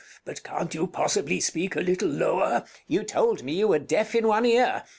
But can't you possibly speak a little lower? Count You told me you were deaf in one ear.